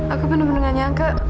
aku benar benarnya kak